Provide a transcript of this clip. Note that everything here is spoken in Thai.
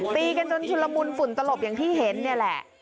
ตีจนฉลบูนฝุ่นตะลบอย่างที่เห็นเนี่ยแหละ